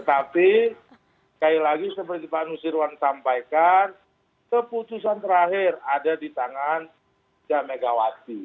tapi sekali lagi seperti pak nusirwan sampaikan keputusan terakhir ada di tangan megawati